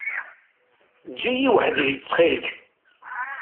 Eǧǧ-iyi weḥd-i, ttxil-k.